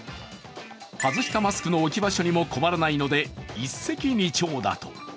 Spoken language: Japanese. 外したマスクの置き場所にも困らないので、一石二鳥だと。